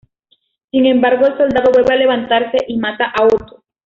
Sin embargo, el soldado vuelve a levantarse y mata a Otto.